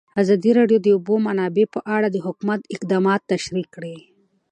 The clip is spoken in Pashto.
ازادي راډیو د د اوبو منابع په اړه د حکومت اقدامات تشریح کړي.